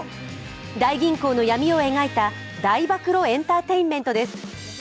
大銀行の闇を描いた大暴露エンターテインメントです。